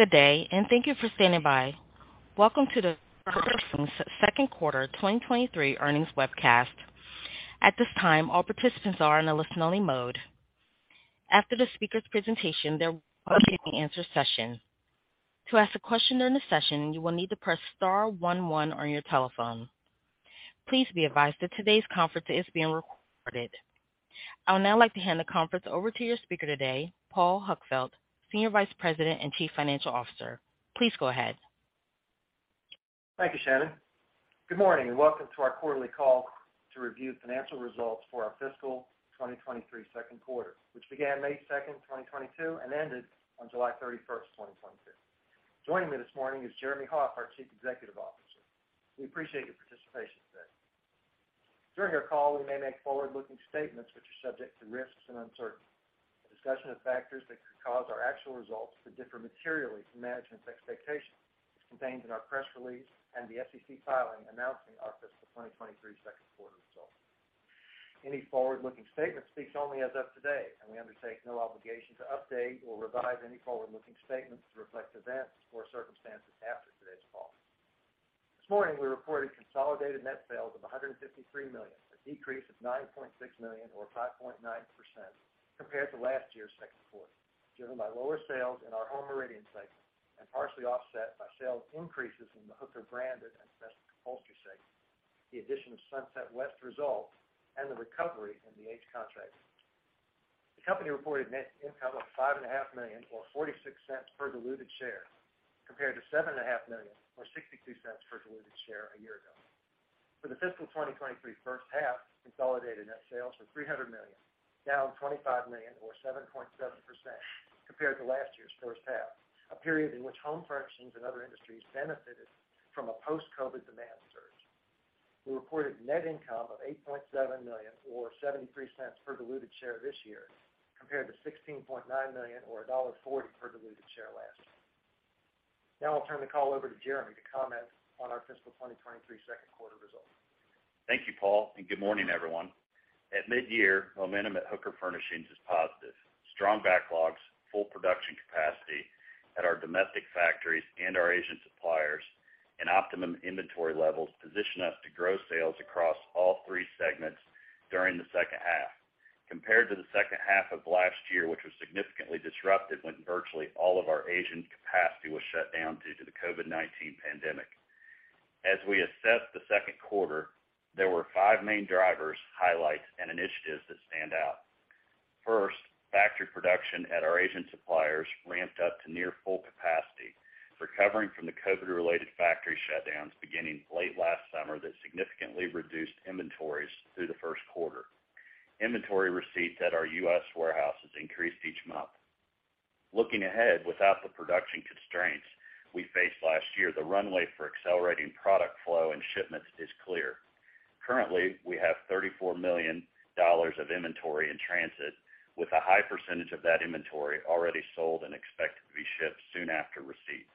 Good day, and thank you for standing by. Welcome to the Hooker Furnishings second quarter 2023 earnings webcast. At this time, all participants are in a listen only mode. After the speaker's presentation, there will be a question and answer session. To ask a question during the session, you will need to press star one one on your telephone. Please be advised that today's conference is being recorded. I would now like to hand the conference over to your speaker today, Paul Huckfeldt, Senior Vice President and Chief Financial Officer. Please go ahead. Thank you, Shannon. Good morning, and welcome to our quarterly call to review financial results for our fiscal 2023 second quarter, which began May 2, 2022, and ended on July 31, 2022. Joining me this morning is Jeremy Hoff, our Chief Executive Officer. We appreciate your participation today. During our call, we may make forward-looking statements which are subject to risks and uncertainty. A discussion of factors that could cause our actual results to differ materially from management's expectations is contained in our press release and the SEC filing announcing our fiscal 2023 second quarter results. Any forward-looking statement speaks only as of today, and we undertake no obligation to update or revise any forward-looking statements to reflect events or circumstances after today's call. This morning, we reported consolidated net sales of $153 million, a decrease of $9.6 million or 5.9% compared to last year's second quarter, driven by lower sales in our Home Meridian segment and partially offset by sales increases in the Hooker Branded and Domestic Upholstery segment, the addition of Sunset West results, and the recovery in the H Contract. The company reported net income of $5.5 million, or $0.46 per diluted share, compared to $7.5 million or $0.62 per diluted share a year ago. For the fiscal 2023 first half, consolidated net sales were $300 million, down $25 million or 7.7% compared to last year's first half, a period in which home furnishings and other industries benefited from a post-COVID demand surge. We reported net income of $8.7 million or $0.73 per diluted share this year, compared to $16.9 million or $1.40 per diluted share last year. Now I'll turn the call over to Jeremy to comment on our fiscal 2023 second quarter results. Thank you, Paul, and good morning, everyone. At mid-year, momentum at Hooker Furnishings is positive. Strong backlogs, full production capacity at our domestic factories and our Asian suppliers and optimum inventory levels position us to grow sales across all three segments during the second half compared to the second half of last year, which was significantly disrupted when virtually all of our Asian capacity was shut down due to the COVID-19 pandemic. As we assess the second quarter, there were five main drivers, highlights, and initiatives that stand out. First, factory production at our Asian suppliers ramped up to near full capacity, recovering from the COVID-related factory shutdowns beginning late last summer that significantly reduced inventories through the first quarter. Inventory receipts at our U.S. warehouses increased each month. Looking ahead, without the production constraints we faced last year, the runway for accelerating product flow and shipments is clear. Currently, we have $34 million of inventory in transit, with a high percentage of that inventory already sold and expected to be shipped soon after receipt.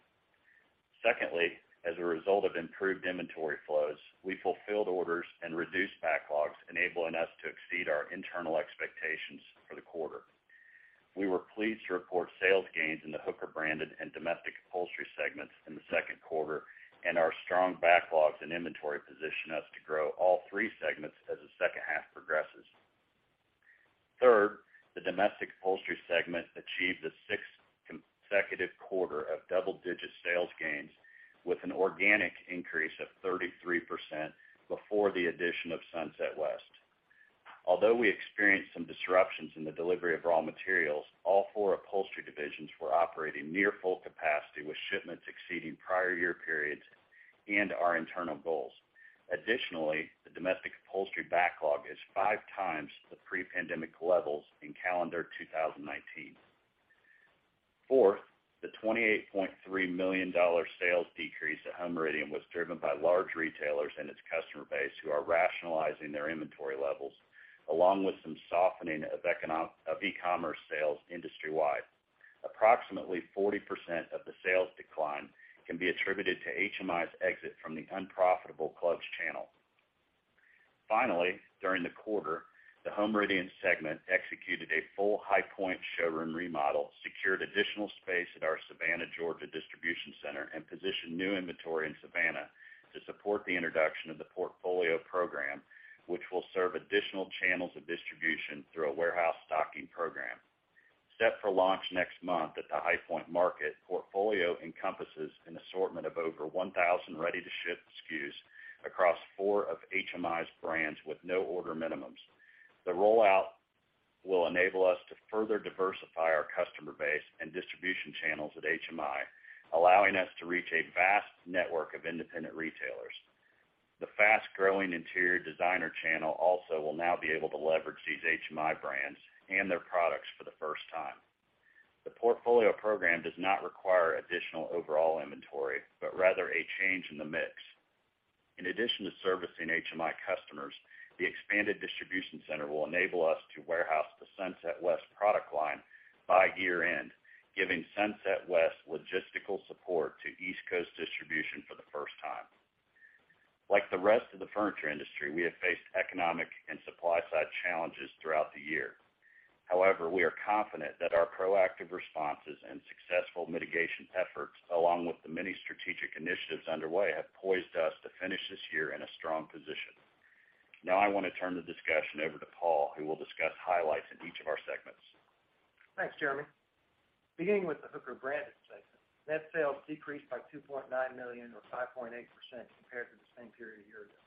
Secondly, as a result of improved inventory flows, we fulfilled orders and reduced backlogs, enabling us to exceed our internal expectations for the quarter. We were pleased to report sales gains in the Hooker Branded and Domestic Upholstery segments in the second quarter, and our strong backlogs and inventory position us to grow all three segments as the second half progresses. Third, the Domestic Upholstery segment achieved the sixth consecutive quarter of double-digit sales gains with an organic increase of 33% before the addition of Sunset West. Although we experienced some disruptions in the delivery of raw materials, all four upholstery divisions were operating near full capacity, with shipments exceeding prior year periods and our internal goals. The domestic upholstery backlog is five times the pre-pandemic levels in calendar 2019. Fourth, the $28.3 million sales decrease at Home Meridian was driven by large retailers in its customer base who are rationalizing their inventory levels, along with some softening of e-commerce sales industry wide. Approximately 40% of the sales decline can be attributed to HMI's exit from the unprofitable clubs channel. Finally, during the quarter, the Home Meridian segment executed a full High Point showroom remodel, secured additional space at our Savannah, Georgia, distribution center, and positioned new inventory in Savannah to support the introduction of the Portfolio program, which will serve additional channels of distribution through a warehouse stocking program. Set for launch next month at the High Point Market, Portfolio encompasses an assortment of over 1,000 ready-to-ship SKUs across four of HMI's brands with no order minimums. The rollout will enable us to further diversify our customer base and distribution channels at HMI, allowing us to reach a vast network of independent retailers. The fast-growing interior designer channel also will now be able to leverage these HMI brands and their products for the first time. The Portfolio program does not require additional overall inventory, but rather a change in the mix. In addition to servicing HMI customers, the expanded distribution center will enable us to warehouse the Sunset West product line by year-end, giving Sunset West logistical support to East Coast distribution for the first time. Like the rest of the furniture industry, we have faced economic and supply-side challenges throughout the year. However, we are confident that our proactive responses and successful mitigation efforts, along with the many strategic initiatives underway, have poised us to finish this year in a strong position. Now I wanna turn the discussion over to Paul, who will discuss highlights in each of our segments. Thanks, Jeremy. Beginning with the Hooker Branded segment, net sales decreased by $2.9 million or 5.8% compared to the same period a year ago.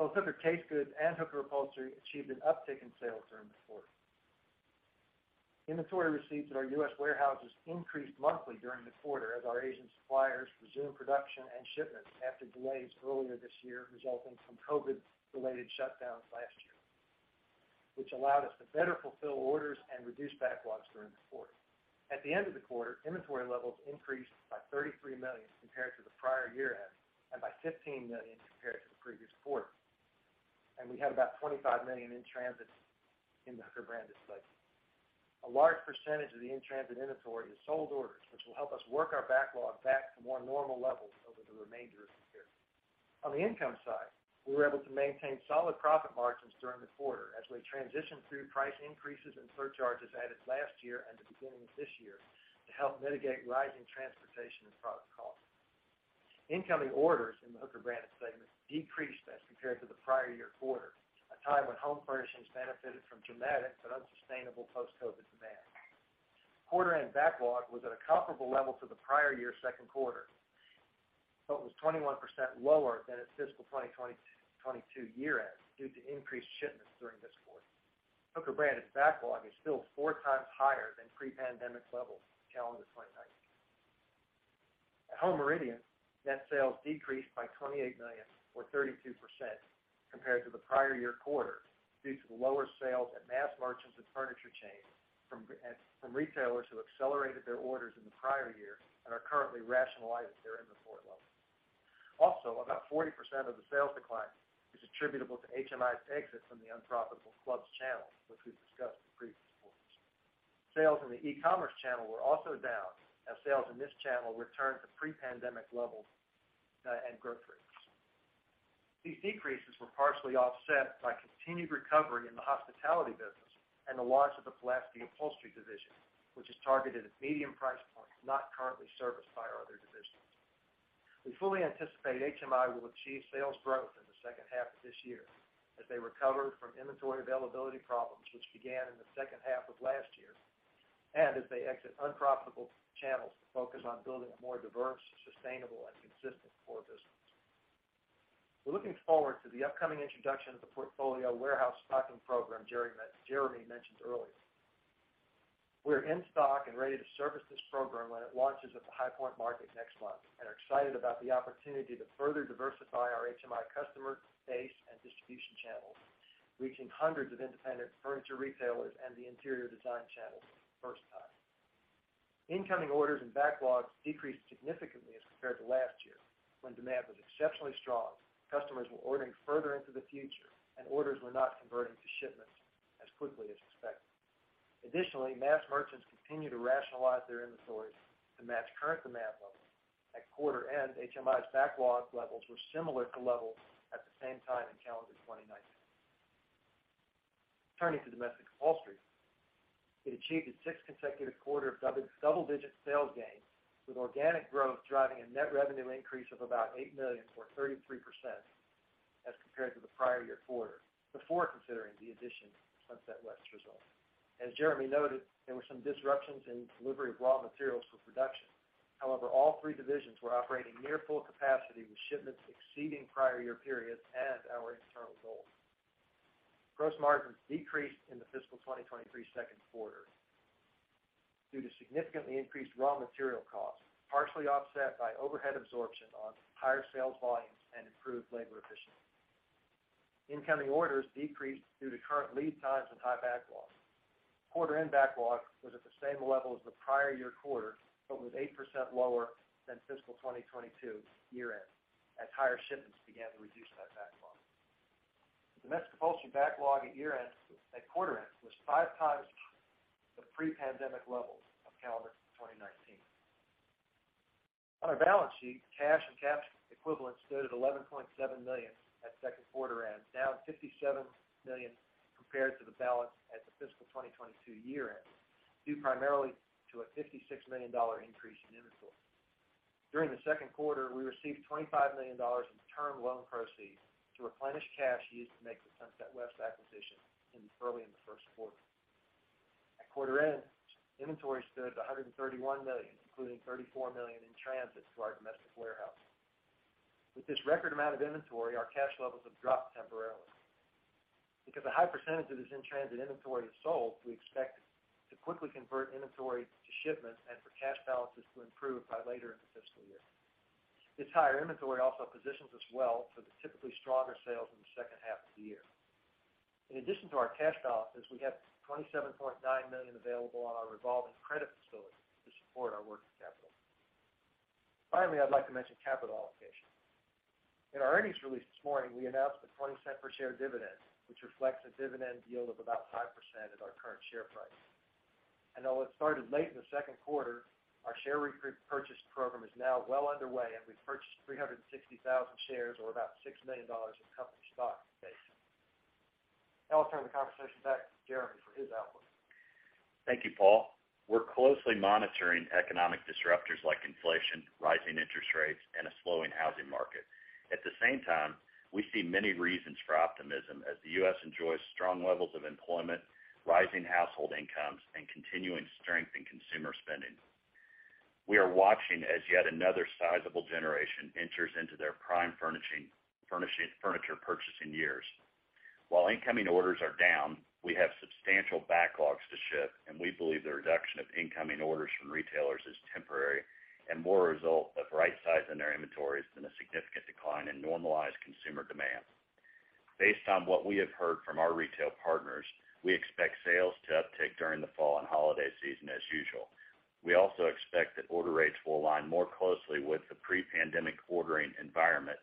Both Hooker Casegoods and Hooker Upholstery achieved an uptick in sales during the quarter. Inventory receipts at our U.S. warehouses increased monthly during the quarter as our Asian suppliers resumed production and shipments after delays earlier this year resulting from COVID-related shutdowns last year, which allowed us to better fulfill orders and reduce backlogs during the quarter. At the end of the quarter, inventory levels increased by $33 million compared to the prior year end and by $15 million compared to the previous quarter, and we had about $25 million in transit in the Hooker Branded segment. A large percentage of the in-transit inventory is sold orders, which will help us work our backlog back to more normal levels over the remainder of the year. On the income side, we were able to maintain solid profit margins during the quarter as we transitioned through price increases and surcharges added last year and the beginning of this year to help mitigate rising transportation and product costs. Incoming orders in the Hooker Branded segment decreased as compared to the prior year quarter, a time when home furnishings benefited from dramatic but unsustainable post-COVID demand. Quarter end backlog was at a comparable level to the prior year second quarter, but was 21% lower than at fiscal 2022 year end due to increased shipments during this quarter. Hooker Branded backlog is still four times higher than pre-pandemic levels in calendar 2019. At Home Meridian, net sales decreased by $28 million or 32% compared to the prior year quarter due to the lower sales at mass merchants and furniture chains from retailers who accelerated their orders in the prior year and are currently rationalizing their inventory levels. Also, about 40% of the sales decline is attributable to HMI's exit from the unprofitable clubs channel, which we've discussed in previous quarters. Sales in the e-commerce channel were also down as sales in this channel returned to pre-pandemic levels and growth rates. These decreases were partially offset by continued recovery in the hospitality business and the launch of the Pulaski Upholstery division, which is targeted at medium price points not currently serviced by our other divisions. We fully anticipate HMI will achieve sales growth in the second half of this year as they recover from inventory availability problems, which began in the second half of last year, and as they exit unprofitable channels to focus on building a more diverse, sustainable and consistent core business. We're looking forward to the upcoming introduction of the Portfolio warehouse stocking program Jeremy mentioned earlier. We're in stock and ready to service this program when it launches at the High Point Market next month and are excited about the opportunity to further diversify our HMI customer base and distribution channels, reaching hundreds of independent furniture retailers and the interior design channels for the first time. Incoming orders and backlogs decreased significantly as compared to last year when demand was exceptionally strong, customers were ordering further into the future, and orders were not converting to shipments as quickly as expected. Additionally, mass merchants continue to rationalize their inventories to match current demand levels. At quarter end, HMI's backlog levels were similar to levels at the same time in calendar 2019. Turning to Domestic Upholstery, it achieved its sixth consecutive quarter of double-digit sales gains, with organic growth driving a net revenue increase of about $8 million or 33% as compared to the prior year quarter before considering the addition of Sunset West's results. As Jeremy noted, there were some disruptions in delivery of raw materials for production. However, all three divisions were operating near full capacity with shipments exceeding prior year periods and our internal goals. Gross margins decreased in the fiscal 2023 second quarter due to significantly increased raw material costs, partially offset by overhead absorption on higher sales volumes and improved labor efficiency. Incoming orders decreased due to current lead times and high backlogs. Quarter end backlog was at the same level as the prior year quarter, but was 8% lower than fiscal 2022 year end as higher shipments began to reduce that backlog. Domestic Upholstery backlog at quarter end was five times the pre-pandemic levels of calendar 2019. On our balance sheet, cash and cash equivalents stood at $11.7 million at second quarter end, down $57 million compared to the balance at the fiscal 2022 year end, due primarily to a $56 million increase in inventory. During the second quarter, we received $25 million in term loan proceeds to replenish cash used to make the Sunset West acquisition in early in the first quarter. At quarter end, inventory stood at $131 million, including $34 million in transit to our domestic warehouses. With this record amount of inventory, our cash levels have dropped temporarily. Because a high percentage of this in-transit inventory is sold, we expect to quickly convert inventory to shipments and for cash balances to improve by later in the fiscal year. This higher inventory also positions us well for the typically stronger sales in the second half of the year. In addition to our cash balances, we have $27.9 million available on our revolving credit facility to support our working capital. Finally, I'd like to mention capital allocation. In our earnings release this morning, we announced a 20-cent per share dividend, which reflects a dividend yield of about 5% at our current share price. Although it started late in the second quarter, our share repurchase program is now well underway, and we've purchased 360,000 shares or about $6 million in company stock basically. Now I'll turn the conversation back to Jeremy for his outlook. Thank you, Paul. We're closely monitoring economic disruptors like inflation, rising interest rates, and a slowing housing market. At the same time, we see many reasons for optimism as the U.S. enjoys strong levels of employment, rising household incomes, and continuing strength in consumer spending. We are watching as yet another sizable generation enters into their prime furniture purchasing years. While incoming orders are down, we have substantial backlogs to ship, and we believe the reduction of incoming orders from retailers is temporary and more a result of right-sizing their inventories than a significant decline in normalized consumer demand. Based on what we have heard from our retail partners, we expect sales to uptick during the fall and holiday season as usual. We also expect that order rates will align more closely with the pre-pandemic ordering environment,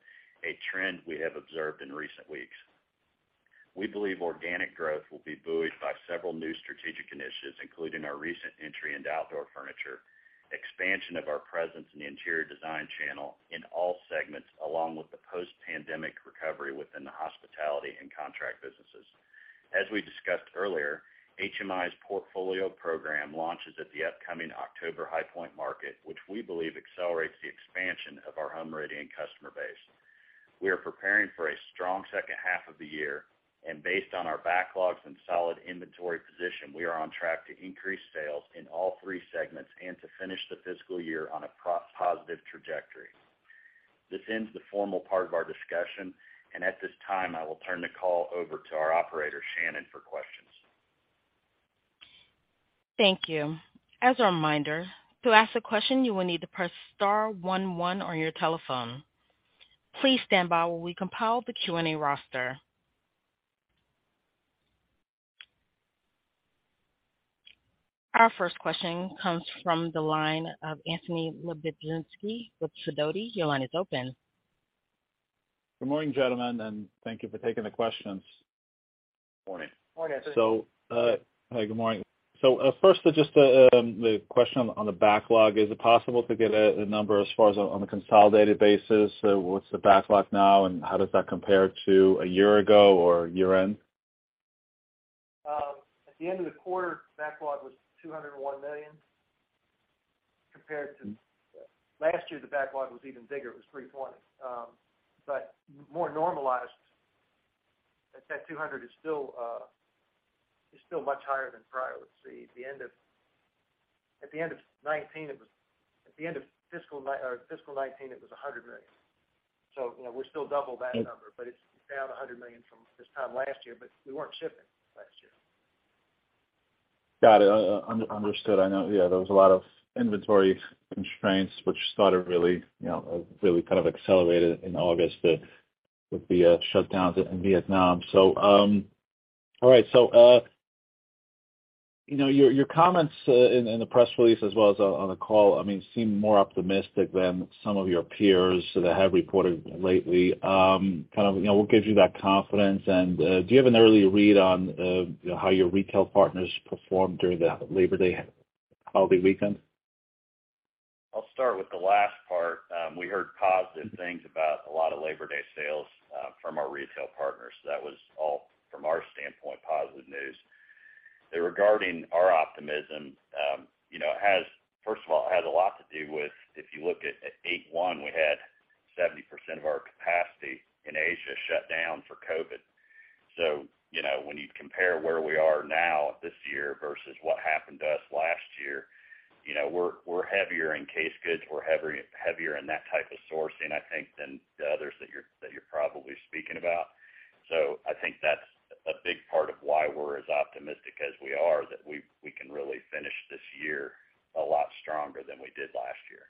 a trend we have observed in recent weeks. We believe organic growth will be buoyed by several new strategic initiatives, including our recent entry into outdoor furniture, expansion of our presence in the interior design channel in all segments, along with the post-pandemic recovery within the hospitality and contract businesses. As we discussed earlier, HMI's Portfolio program launches at the upcoming October High Point market, which we believe accelerates the expansion of our Home Meridian customer base. We are preparing for a strong second half of the year, and based on our backlogs and solid inventory position, we are on track to increase sales in all three segments and to finish the fiscal year on a positive trajectory. This ends the formal part of our discussion, and at this time, I will turn the call over to our operator, Shannon, for questions. Thank you. As a reminder, to ask a question, you will need to press star one one on your telephone. Please stand by while we compile the Q&A roster. Our first question comes from the line of Anthony Lebiedzinski with Sidoti. Your line is open. Good morning, gentlemen, and thank you for taking the questions. Morning. Morning, Anthony. Hi, good morning. First, just, the question on the backlog, is it possible to get a number as far as on the consolidated basis? What's the backlog now, and how does that compare to a year ago or year-end? At the end of the quarter, backlog was $201 million. Compared to last year, the backlog was even bigger. It was $320 million. More normalized, that $200 million is still much higher than prior. Let's see, at the end of 2019, it was $100 million. You know, we're still double that number, but it's down $100 million from this time last year, but we weren't shipping last year. Got it. Understood. I know, yeah, there was a lot of inventory constraints which started really, you know, really kind of accelerated in August with the shutdowns in Vietnam. All right. You know, your comments in the press release as well as on the call, I mean, seem more optimistic than some of your peers that have reported lately. Kind of, you know, what gives you that confidence? Do you have an early read on how your retail partners performed during the Labor Day holiday weekend? I'll start with the last part. We heard positive things about a lot of Labor Day sales from our retail partners. That was all from our standpoint, positive news. Regarding our optimism, you know, it has, first of all, a lot to do with if you look at Q1, we had 70% of our capacity in Asia shut down for COVID. You know, when you compare where we are now this year versus what happened to us last year, you know, we're heavier in case goods. We're heavier in that type of sourcing, I think, than the others that you're probably speaking about. I think that's a big part of why we're as optimistic as we are that we can really finish this year a lot stronger than we did last year.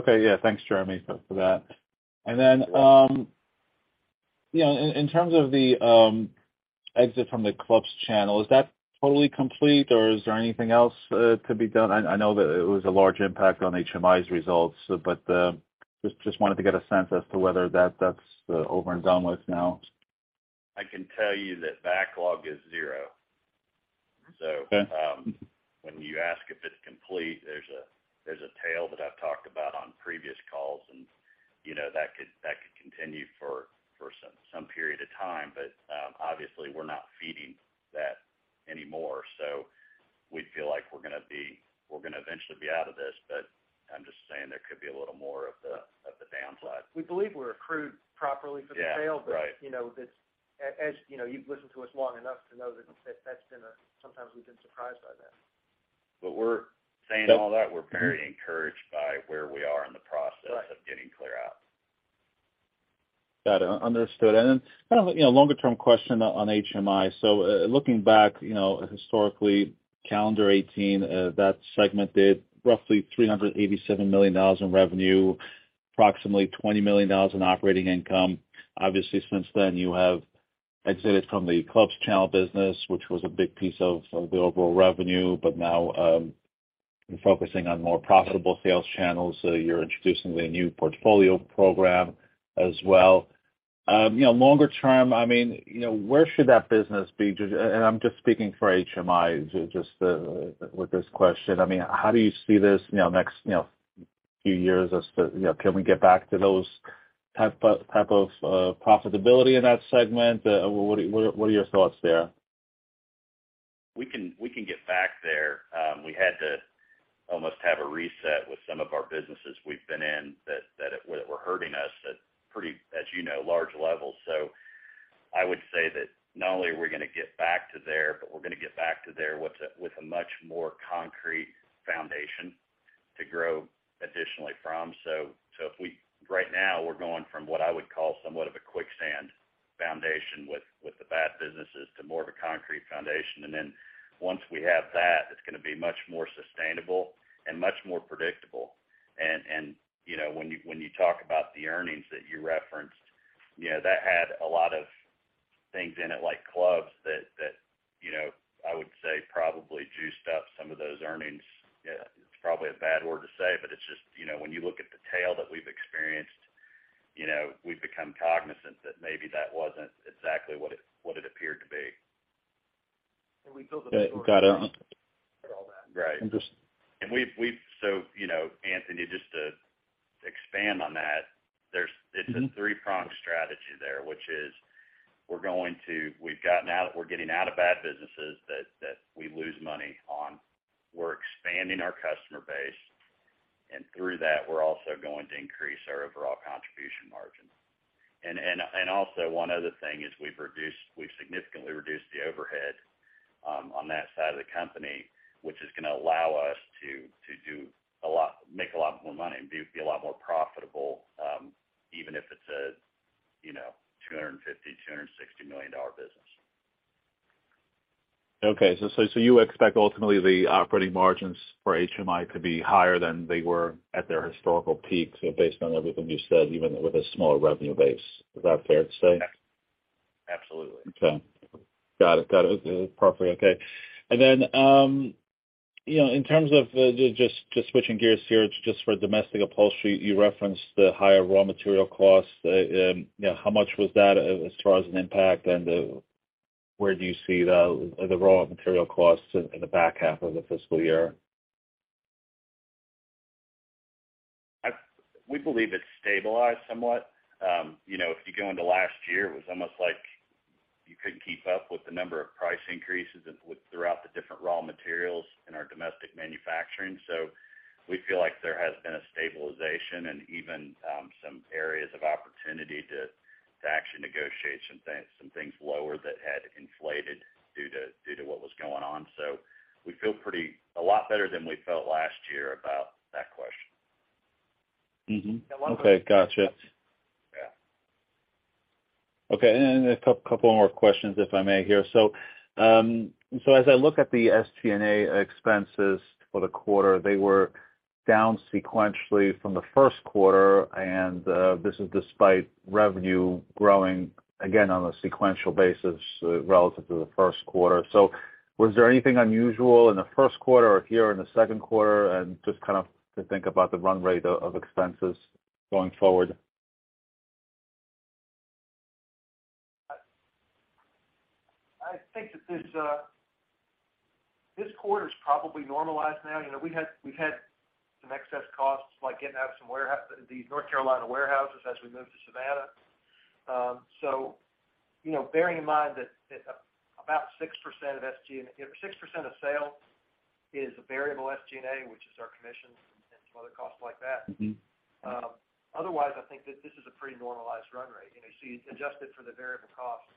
Okay. Yeah. Thanks, Jeremy, for that. Then, you know, in terms of the exit from the clubs channel, is that totally complete, or is there anything else to be done? I know that it was a large impact on HMI's results, but just wanted to get a sense as to whether that's over and done with now. I can tell you that backlog is zero. Okay. When you ask if it's complete, there's a tail that I've talked about on previous calls and, you know, that could continue for some period of time. But obviously we're not feeding that anymore, so we feel like we're gonna eventually be out of this, but I'm just saying there could be a little more of the downside. We believe we're accrued properly for the sale. Yeah. Right. You know, this, as you know, you've listened to us long enough to know that that's been a. Sometimes we've been surprised by that. We're saying all that, we're very encouraged by where we are in the process. Right. of getting cleared out. Got it. Understood. Kind of, you know, longer term question on HMI. Looking back, you know, historically calendar 2018, that segment did roughly $387 million in revenue, approximately $20 million in operating income. Obviously, since then you have exited from the clubs channel business, which was a big piece of overall revenue, but now you're focusing on more profitable sales channels. You're introducing the new Portfolio program as well. You know, longer term, I mean, you know, where should that business be? And I'm just speaking for HMI just with this question. I mean, how do you see this, you know, next, you know, few years as to, you know, can we get back to those type of profitability in that segment? What are your thoughts there? We can get back there. We had to almost have a reset with some of our businesses we've been in that were hurting us at pretty, as you know, large levels. I would say that not only are we gonna get back to there, but we're gonna get back to there with a much more concrete foundation to grow additionally from. Right now we're going from what I would call somewhat of a quicksand foundation with the bad businesses to more of a concrete foundation. Once we have that, it's gonna be much more sustainable and much more predictable. You know, when you talk about the earnings that you referenced, you know, that had a lot of things in it like closeouts that you know, I would say probably juiced up some of those earnings. It's probably a bad word to say, but it's just, you know, when you look at the tale that we've experienced, you know, we've become cognizant that maybe that wasn't exactly what it appeared to be. We built all that. Right. Interesting. You know, Anthony, just to expand on that, it's a three-pronged strategy there, which is we're getting out of bad businesses that we lose money on. We're expanding our customer base, and through that, we're also going to increase our overall contribution margin. Also, one other thing is we've significantly reduced the overhead on that side of the company, which is gonna allow us to make a lot more money and be a lot more profitable, even if it's a, you know, $250-$260 million business. You expect ultimately the operating margins for HMI to be higher than they were at their historical peak, so based on everything you said, even with a smaller revenue base. Is that fair to say? Absolutely. Okay. Got it. Perfectly okay. You know, in terms of just switching gears here, just for Domestic Upholstery, you referenced the higher raw material costs. You know, how much was that as far as an impact? Where do you see the raw material costs in the back half of the fiscal year? We believe it's stabilized somewhat. You know, if you go into last year, it was almost like you couldn't keep up with the number of price increases throughout the different raw materials in our domestic manufacturing. We feel like there has been a stabilization and even some areas of opportunity to actually negotiate some things lower that had inflated due to what was going on. We feel pretty a lot better than we felt last year about that question. Mm-hmm. Okay. Got you. Yeah. Okay. A couple more questions, if I may here. As I look at the SG&A expenses for the quarter, they were down sequentially from the first quarter, and this is despite revenue growing again on a sequential basis relative to the first quarter. Was there anything unusual in the first quarter or here in the second quarter? Just kind of to think about the run rate of expenses going forward. I think that this quarter is probably normalized now. You know, we've had some excess costs like getting out of some these North Carolina warehouses as we move to Savannah. You know, bearing in mind that about 6% of sales is a variable SG&A, which is our commissions and some other costs like that. Mm-hmm. Otherwise, I think that this is a pretty normalized run rate. You know, you adjust it for the variable costs,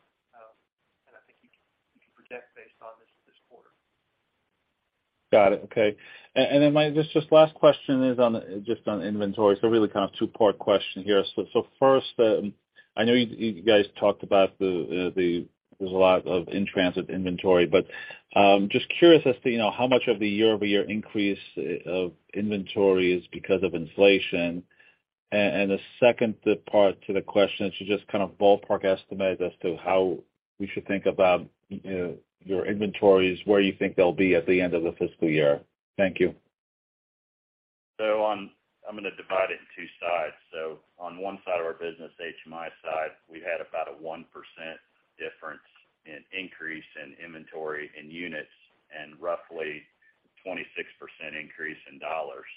and I think you can project based on this quarter. Got it. Okay. My last question is on inventory. Really kind of two-part question here. First, I know you guys talked about. There's a lot of in-transit inventory, but just curious as to, you know, how much of the year-over-year increase of inventory is because of inflation. The second part to the question is to just kind of ballpark estimate as to how we should think about, you know, your inventories, where you think they'll be at the end of the fiscal year. Thank you. I'm gonna divide it in two sides. On one side of our business, HMI side, we had about a 1% difference in increase in inventory in units and roughly 26% increase in dollars.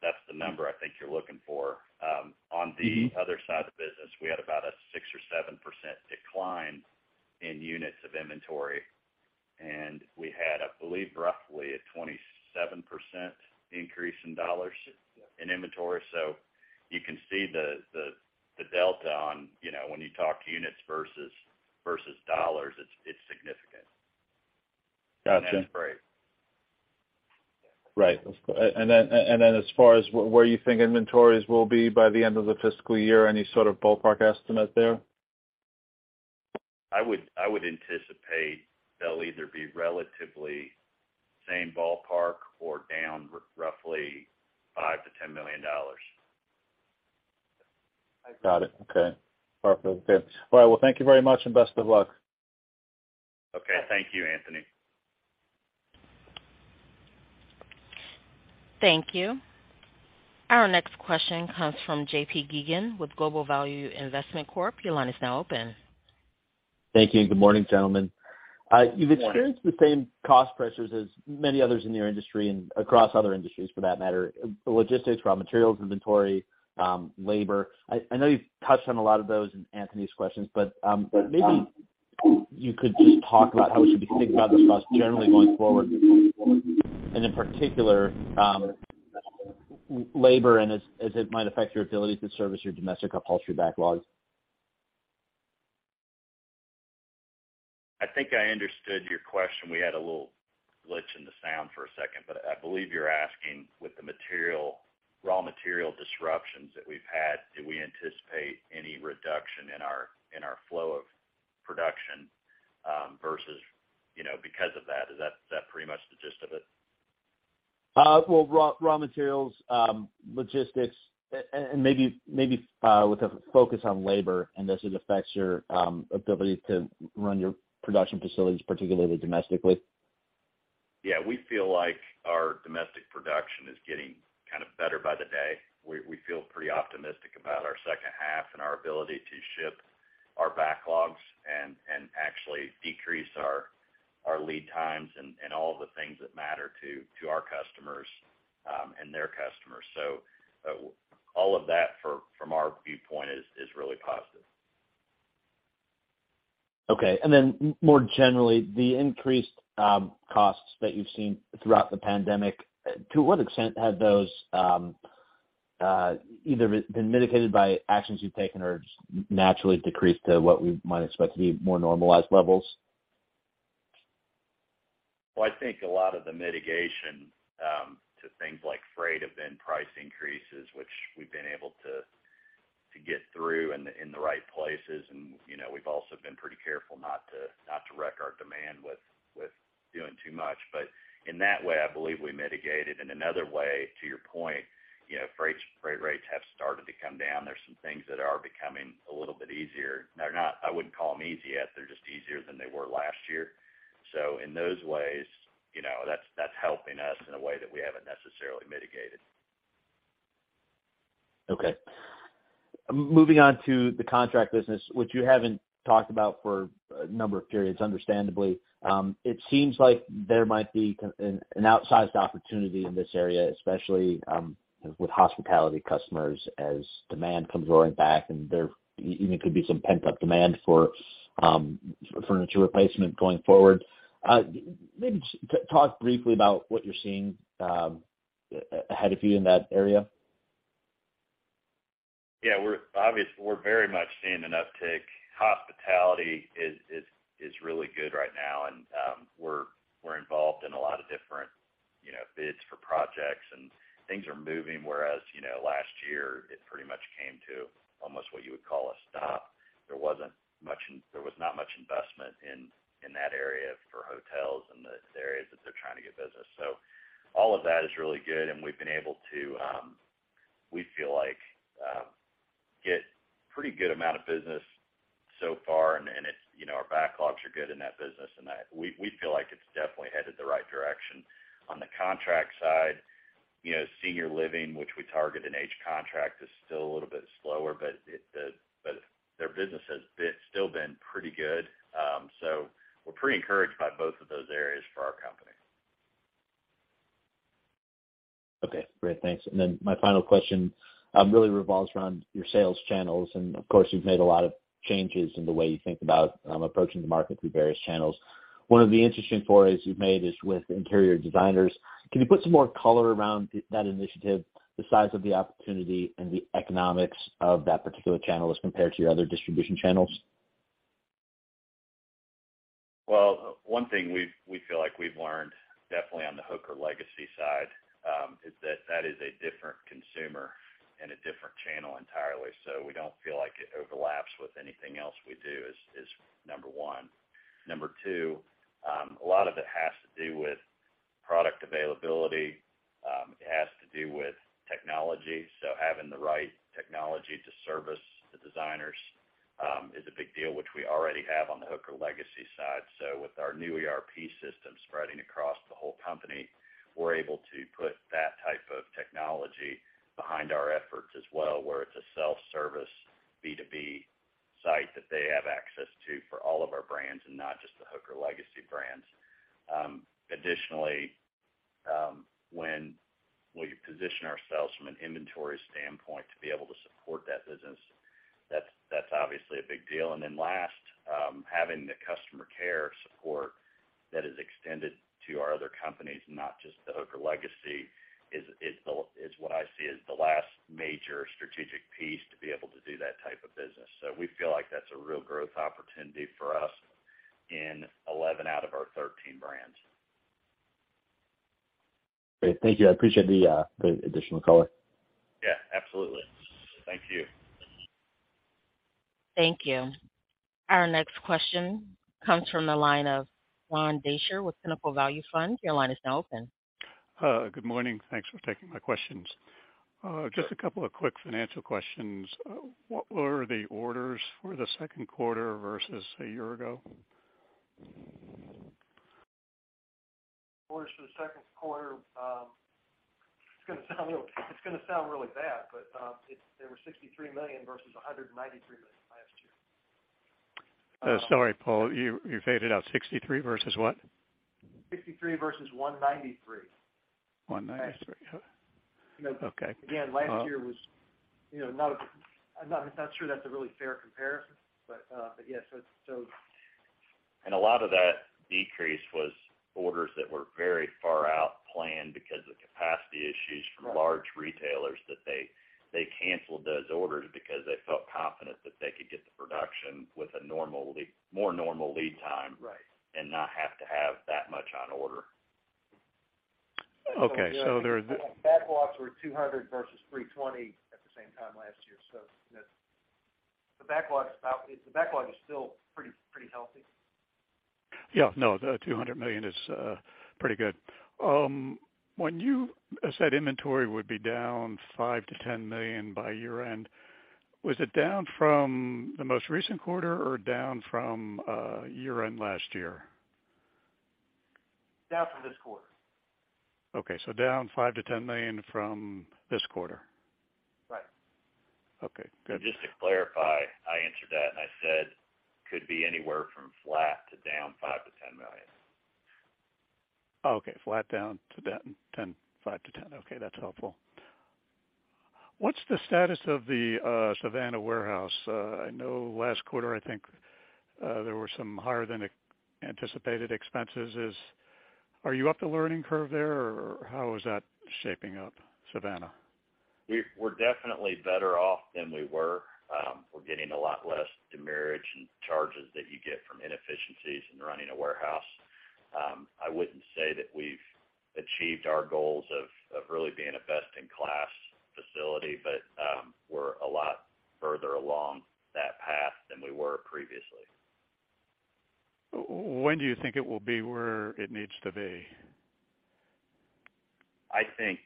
That's the number I think you're looking for. On the other side of the business, we had about a 6% or 7% decline in units of inventory, and we had, I believe, roughly a 27% increase in dollars in inventory. You can see the delta, you know, when you talk units versus dollars, it's significant. Gotcha. That's great. Right. As far as where you think inventories will be by the end of the fiscal year, any sort of ballpark estimate there? I would anticipate they'll either be relatively same ballpark or down roughly $5 million-$10 million. Got it. Okay. Perfect. Good. All right. Well, thank you very much, and best of luck. Okay. Thank you, Anthony. Thank you. Our next question comes from JP Geygan with Global Value Investment Corp. Your line is now open. Thank you, and good morning, gentlemen. Good morning. You've experienced the same cost pressures as many others in your industry and across other industries, for that matter, logistics, raw materials, inventory, labor. I know you've touched on a lot of those in Anthony's questions, but maybe you could just talk about how we should be thinking about this cost generally going forward. In particular, labor and as it might affect your ability to service your Domestic Upholstery backlogs. I think I understood your question. We had a little glitch in the sound for a second, but I believe you're asking with the raw material disruptions that we've had, do we anticipate any reduction in our flow of production, versus, you know, because of that? Is that pretty much the gist of it? Well, raw materials, logistics, and maybe with a focus on labor, and does it affect your ability to run your production facilities, particularly domestically? Yeah. We feel like our domestic production is getting kind of better by the day. We feel pretty optimistic about our second half and our ability to ship our backlogs and actually decrease our lead times and all the things that matter to our customers and their customers. All of that from our viewpoint is really positive. Okay. More generally, the increased costs that you've seen throughout the pandemic, to what extent have those either been mitigated by actions you've taken or just naturally decreased to what we might expect to be more normalized levels? Well, I think a lot of the mitigation to things like freight have been price increases, which we've been able to to get through in the right places. You know, we've also been pretty careful not to wreck our demand with doing too much. In that way, I believe we mitigate it. In another way, to your point, you know, freight rates have started to come down. There's some things that are becoming a little bit easier. They're not. I wouldn't call them easy yet. They're just easier than they were last year. In those ways, you know, that's helping us in a way that we haven't necessarily mitigated. Okay. Moving on to the contract business, which you haven't talked about for a number of periods, understandably. It seems like there might be an outsized opportunity in this area, especially with hospitality customers as demand comes roaring back, and there even could be some pent-up demand for furniture replacement going forward. Maybe talk briefly about what you're seeing ahead of you in that area. Yeah. We're obviously very much seeing an uptick. Hospitality is really good right now. We're involved in a lot of different, you know, bids for projects and things are moving, whereas, you know, last year it pretty much came to almost what you would call a stop. There was not much investment in that area for hotels and the areas that they're trying to get business. All of that is really good, and we've been able to, we feel like, get pretty good amount of business so far, and it's, you know, our backlogs are good in that business. We feel like it's definitely headed the right direction. On the contract side, you know, senior living, which we target in H Contract, is still a little bit slower, but their business has still been pretty good. We're pretty encouraged by both of those areas for our company. Okay. Great. Thanks. My final question really revolves around your sales channels. Of course, you've made a lot of changes in the way you think about approaching the market through various channels. One of the interesting forays you've made is with interior designers. Can you put some more color around that initiative, the size of the opportunity and the economics of that particular channel as compared to your other distribution channels? Well, one thing we feel like we've learned definitely on the Hooker Legacy side is that that is a different consumer and a different channel entirely. We don't feel like it overlaps with anything else we do is number one. Number two, a lot of it has to do with product availability. It has to do with technology. Having the right technology to service the designers is a big deal, which we already have on the Hooker Legacy side. With our new ERP system spreading across the whole company, we're able to put that type of technology behind our efforts as well, where it's a self-service B2B site that they have access to for all of our brands and not just the Hooker Legacy brands. Additionally, when we position ourselves from an inventory standpoint to be able to support that business, that's obviously a big deal. Then last, having the customer care support that is extended to our other companies, not just the Hooker Legacy is what I see as the last major strategic piece to be able to do that type of business. We feel like that's a real growth opportunity for us in 11 out of our 13 brands. Great. Thank you. I appreciate the additional color. Yeah. Absolutely. Thank you. Thank you. Our next question comes from the line of John Deysher with Pinnacle Value Fund. Your line is now open. Good morning. Thanks for taking my questions. Just a couple of quick financial questions. What were the orders for the second quarter versus a year ago? Orders for the second quarter, it's gonna sound really bad, but they were $63 million versus $193 million last year. Sorry, Paul, you faded out. 63 versus what? 63 versus 193. 193. Okay. Again, last year was, you know, I'm not sure that's a really fair comparison, but yes, so. A lot of that decrease was orders that were very far out planned because of capacity issues from large retailers that they canceled those orders because they felt confident that they could get the production with a normal lead, more normal lead time. Right. not have to have that much on order. Okay. Backlogs were 200 versus 320 at the same time last year. The backlog is still pretty healthy. Yeah, no, the $200 million is pretty good. When you said inventory would be down $5 million-$10 million by year-end, was it down from the most recent quarter or down from year-end last year? Down from this quarter. Okay. Down $5-10 million from this quarter. Right. Okay, good. Just to clarify, I answered that, and I said could be anywhere from flat to down $5 million-$10 million. Oh, okay. Flat down to 10, 5-10. Okay, that's helpful. What's the status of the Savannah warehouse? I know last quarter, I think, there were some higher than anticipated expenses. Are you up the learning curve there or how is that shaping up, Savannah? We're definitely better off than we were. We're getting a lot less demurrage and charges that you get from inefficiencies in running a warehouse. I wouldn't say that we've achieved our goals of really being a best in class facility, but we're a lot further along that path than we were previously. When do you think it will be where it needs to be? I think,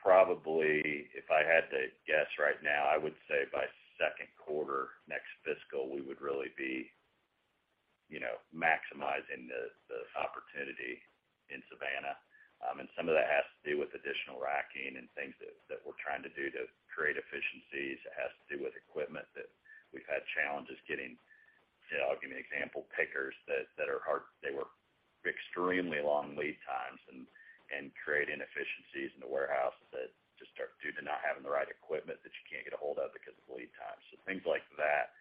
probably if I had to guess right now, I would say by second quarter next fiscal, we would really be, you know, maximizing the opportunity in Savannah. Some of that has to do with additional racking and things that we're trying to do to create efficiencies. It has to do with equipment that we've had challenges getting. You know, I'll give you an example. Pickers that are hard. They were extremely long lead times and create inefficiencies in the warehouse that just are due to not having the right equipment that you can't get a hold of because of lead times. Things like that.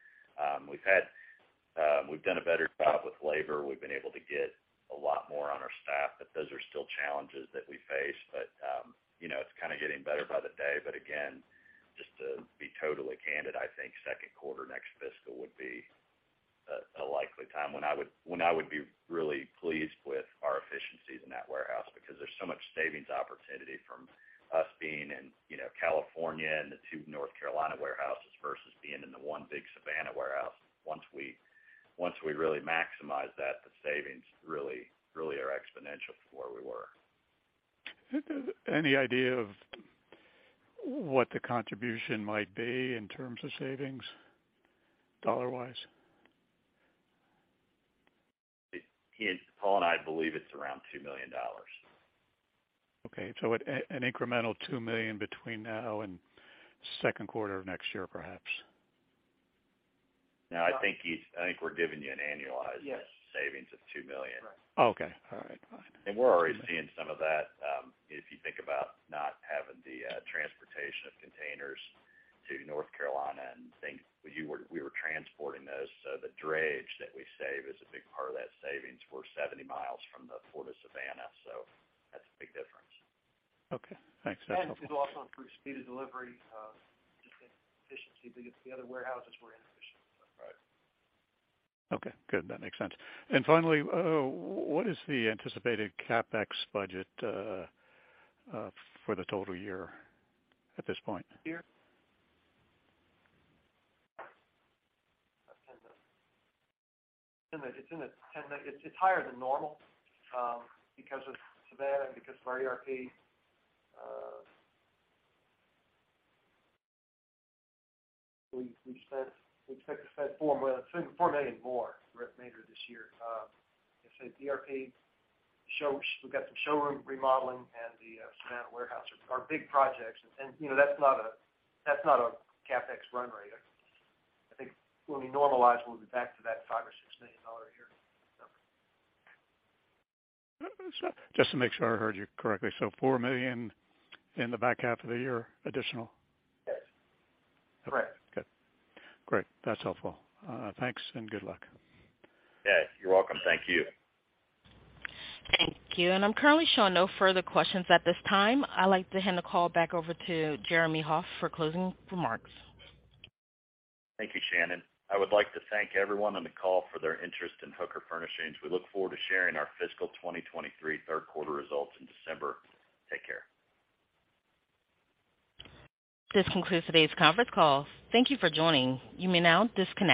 We've done a better job with labor. We've been able to get a lot more on our staff, but those are still challenges that we face. You know, it's kind of getting better by the day. Again, just to be totally candid, I think second quarter next fiscal would be a likely time when I would be really pleased with our efficiencies in that warehouse because there's so much savings opportunity from us being in, you know, California and the two North Carolina warehouses versus being in the one big Savannah warehouse. Once we really maximize that, the savings really are exponential from where we were. Any idea of what the contribution might be in terms of savings dollar-wise? Paul and I believe it's around $2 million. Okay. An incremental $2 million between now and second quarter of next year, perhaps. No, I think we're giving you an annualized Yes. savings of $2 million. Oh, okay. All right. We're already seeing some of that. If you think about not having the transportation of containers to North Carolina and things, we were transporting those. The drayage that we save is a big part of that savings. We're 70 miles from the port of Savannah, that's a big difference. Okay. Thanks. It'll also improve speed of delivery, just efficiency because the other warehouses were inefficient. Right. Okay, good. That makes sense. Finally, what is the anticipated CapEx budget for the total year at this point? Yeah? It's in the $10 million. It's higher than normal, because of Savannah and because of our ERP. We expect to spend $4 million more, major this year. Let's say ERP shows we've got some showroom remodeling and the Savannah warehouse are our big projects. You know, that's not a CapEx run rate. I think when we normalize, we'll be back to that $5 or $6 million a year number. Just to make sure I heard you correctly. $4 million in the back half of the year additional? Yes, correct. Good. Great. That's helpful. Thanks and good luck. Yeah, you're welcome. Thank you. Thank you. I'm currently showing no further questions at this time. I'd like to hand the call back over to Jeremy Hoff for closing remarks. Thank you, Shannon. I would like to thank everyone on the call for their interest in Hooker Furnishings. We look forward to sharing our fiscal 2023 third quarter results in December. Take care. This concludes today's conference call. Thank you for joining. You may now disconnect